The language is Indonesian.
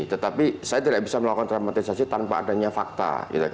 tetapi saya tidak bisa melakukan dramatisasi tanpa adanya fakta